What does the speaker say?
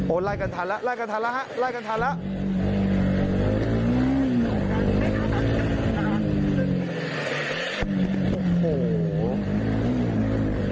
ไล่กันทันแล้วไล่กันทันแล้วฮะไล่กันทันแล้ว